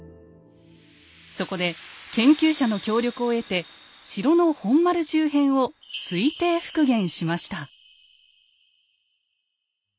そこで研究者の協力を得て城の本丸周辺を推定復元しました。